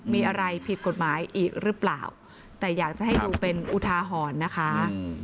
มีอะไรผิดกฎหมายอีกหรือเปล่าแต่อยากจะให้ดูเป็นอุทาหรณ์นะคะ